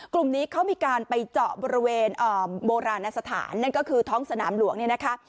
กลุ่มนี้เขามีการไปเจาะบริเวณโบราณสถานนั่นก็คือท้องสนามหลวงเนี่ยนะคะ